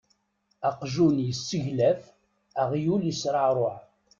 Aqjun yesseglaf, aɣyul yesreɛruɛ.